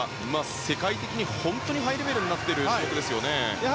世界的に本当にハイレベルになっていますね。